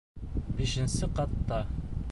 Бишенсе ҡатта.